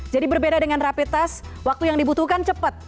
jadi berbeda dengan rapid test waktu yang dibutuhkan cepat